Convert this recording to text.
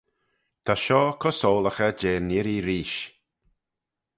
Ta shoh co-soylaghey jeh'n irree reesht.